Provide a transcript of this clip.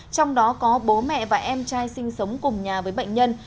trong đó có bố mẹ và em trai sinh sống cùng nhà với bệnh nhân